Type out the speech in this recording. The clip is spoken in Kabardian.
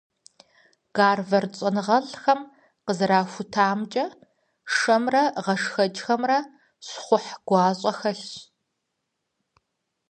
Гарвард щӀэныгъэлӀхэм къызэрахутамкӀэ, шэмрэ гъэшхэкӀхэмрэ щхъухь гуащӀэ хэлъщ.